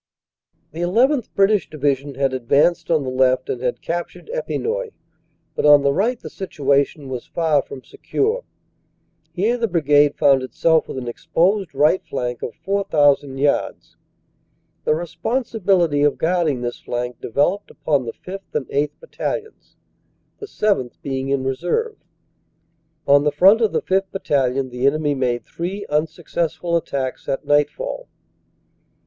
"The llth. British Division had advanced on the left and had captured Epinoy, but on the right the situation was far from secure. Here the Brigade found itself with an exposed right flank of 4,000 yards. The responsibility of guarding this flank developed upon the 5th. and 8th. Battalions, the 7th. be ing in reserve. On the front of the 5th. Battalion the enemy made three unsuccessful attacks at nightfall.